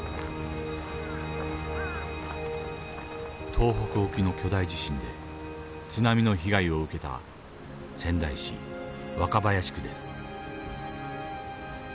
東北沖の巨大地震で津波の被害を受けた仙台市若林区です。